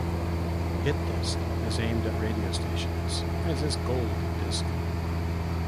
HitDisc is aimed at radio stations, as is GoldDisc.